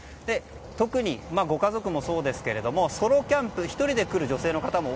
特に、ご家族もそうですがソロキャンプ１人で来る女性の方も